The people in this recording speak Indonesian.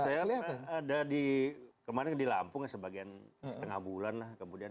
saya ada di kemarin di lampung ya sebagian setengah bulan lah kemudian